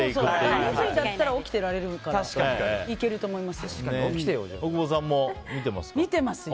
２時だったら起きてられるからいけると思いますよ。